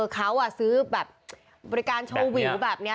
เขาซื้อแบบบริการโชว์วิวแบบนี้